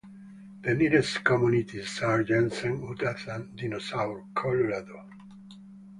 The nearest communities are Jensen, Utah and Dinosaur, Colorado.